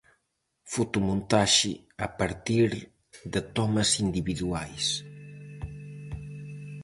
Fotomontaxe a partir de tomas individuais.